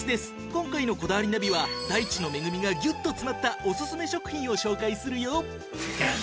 今回の『こだわりナビ』は大地の恵みがギュッと詰まったおすすめ食品を紹介するよ。